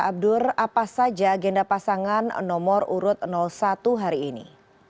abdur apa saja agenda pasangan nomor urut satu hari ini